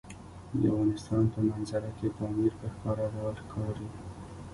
د افغانستان په منظره کې پامیر په ښکاره ډول ښکاري.